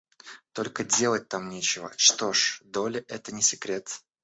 Только делать там нечего — что ж, Долли, это не секрет!